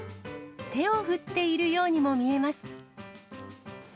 手を振っているようにも見えます。